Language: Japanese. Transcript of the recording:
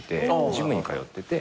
ジムに通ってて。